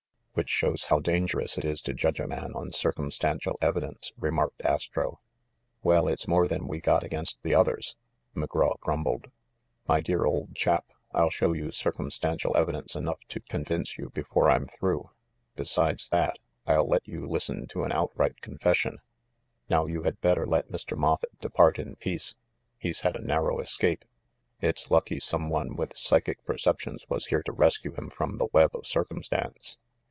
"Which shows how dangerous it is to judge a man on circumstantial evidence," remarked Astro. "Well, it's more than we got against the others," McGraw grumbled. "My dear old chap, I'll show you circumstantial evi dence enough to convince you, before I'm through. 'Besides that, I'll let you listen to an outright confes sion. Now you had better let Mr. Moffett depart in peace. He's had a narrow escape. It's lucky some one with psychic perceptions was here to rescue him from the web of circumstance."